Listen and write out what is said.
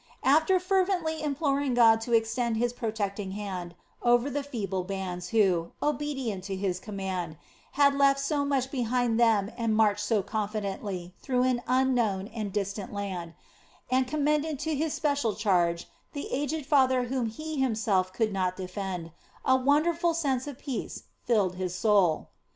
After fervently imploring God to extend His protecting hand over the feeble bands who, obedient to His command, had left so much behind them and marched so confidently through an unknown and distant land, and commended to His special charge the aged father whom he himself could not defend, a wonderful sense of peace filled his soul.